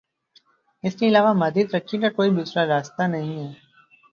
اس کے علاوہ مادی ترقی کا کوئی دوسرا راستہ نہیں ہے۔